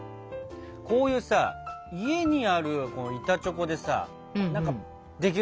こういうさ家にある板チョコでさ何かできるものないかな？